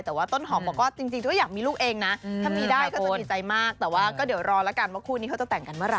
แต่ว่าต้นหอมบอกว่าจริงก็อยากมีลูกเองนะถ้ามีได้ก็จะดีใจมากแต่ว่าก็เดี๋ยวรอแล้วกันว่าคู่นี้เขาจะแต่งกันเมื่อไห